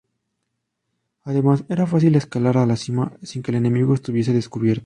Además era fácil escalar a la cima sin que el enemigo estuviese descubierto.